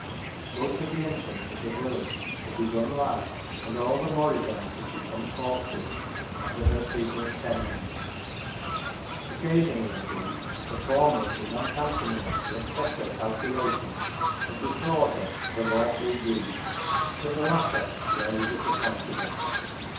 Most of the infants of the village had begun life, and all the moribunds had become corpses, under her superintendence. Occasion ally, indeed, the former had been unhandsome enough to upset her calculations and defraud her of her lawful dues; but the latter rarely disappointed her.